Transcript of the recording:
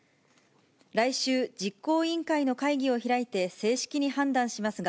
来週、実行委員会の会議を開いて正式に判断しますが、